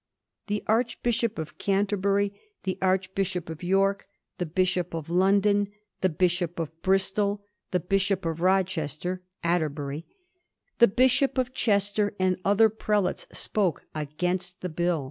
The Arch bishop of Canterbury, the Archbishop of York, the Bishop of London, the Bishop of Bristol, the Bishop of Rochester (Atterbury), the Bishop of Chester, and other prelates, spoke against the BUI.